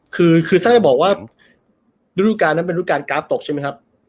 คือสักอย่างจะบอกว่าดูดูการนั้นเป็นดูดูการกราฟตกใช่มั้ยครับ